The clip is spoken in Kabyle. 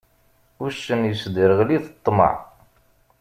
Uccen, yesderγel-it ṭṭmeε.